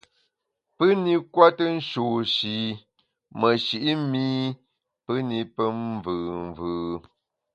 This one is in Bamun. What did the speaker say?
Pù-ni kwete nshôsh-i meshi’ mi pù ni pe mvùù mvù.